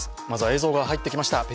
まずは映像が入ってきました。